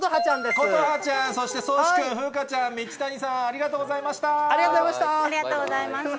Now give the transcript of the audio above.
ことはちゃん、そしてそうしくん、ふうかちゃん、道谷さん、ありがとうございましありがとうございました。